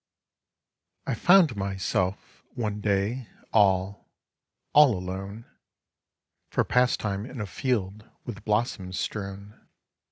I found myself one day all, all alone, For pastime in a field with blossoms strewn.